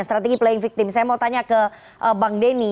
strategi playing victim saya mau tanya ke bang denny